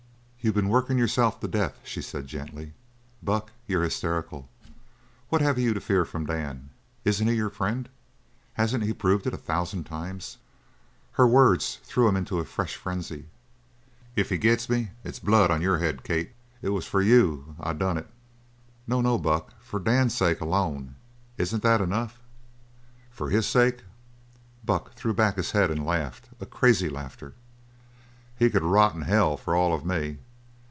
"You've been working yourself to death," she said gently. "Buck, you're hysterical. What have you to fear from Dan? Isn't he your friend? Hasn't he proved it a thousand times?" Her words threw him into a fresh frenzy. "If he gets me, it's blood on your head, Kate. It was for you I done it." "No, no, Buck. For Dan's sake alone. Isn't that enough?" "For his sake?" Buck threw back his head and laughed a crazy laughter. "He could rot in hell for all of me.